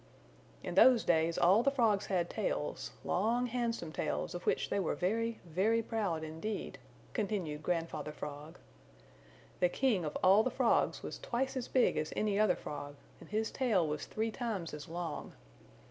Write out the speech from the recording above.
"In those days all the Frogs had tails, long handsome tails of which they were very, very proud indeed," continued Grandfather Frog. "The King of all the Frogs was twice as big as any other Frog, and his tail was three times as long.